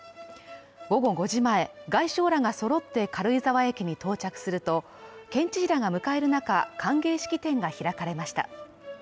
午後５時前、外相らがそろって軽井沢駅に到着すると県知事らが迎える中歓迎式典が開かれました。